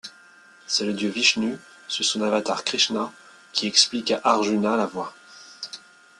C'est le dieu Vishnu, sous son avatar Krishna, qui explique à Arjuna la voie.